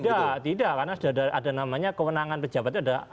tidak tidak karena sudah ada namanya kewenangan pejabatnya ada